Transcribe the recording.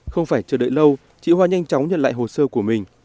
không phải chờ đợi lâu chị hoa nhanh chóng nhận lại hồ sơ của mình